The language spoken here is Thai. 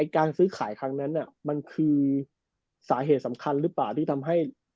การซื้อขายครั้งนั้นมันคือสาเหตุสำคัญหรือเปล่าที่ทำให้